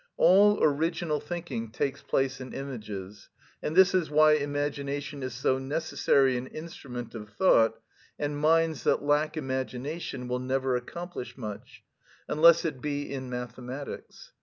All original thinking takes place in images, and this is why imagination is so necessary an instrument of thought, and minds that lack imagination will never accomplish much, unless it be in mathematics.